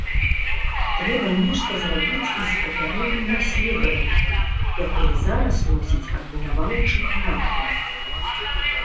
Трэба нешта зрабіць і з папярэднім расследаваннем, якое зараз носіць абвінаваўчы характар.